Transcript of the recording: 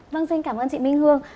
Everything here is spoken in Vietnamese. vâng xin cảm ơn chị minh hương